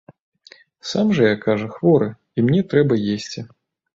Сам жа я, кажа, хворы, і мне трэба есці.